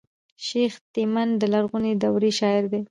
شېخ تیمن د لرغوني دورې شاعر دﺉ.